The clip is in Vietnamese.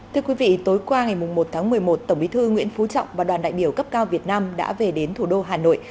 thưa quý vị tối qua ngày một tháng một mươi một tổng bí thư nguyễn phú trọng và đoàn đại biểu cấp cao việt nam đã về đến thủ đô hà nội